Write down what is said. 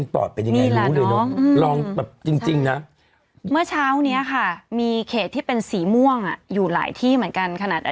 เป็นยังไงหรือลองจริงนะเมื่อเช้านี้ค่ะมีเขตที่เป็นสีม่วงอยู่หลายที่เหมือนกัน